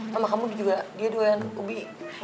mama kamu juga dia doyan ubi